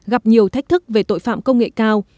gặp nhiều thách thức về tội phạm công nghệ cao